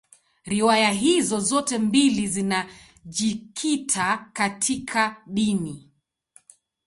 Riwaya hizi zote mbili zinajikita katika dini.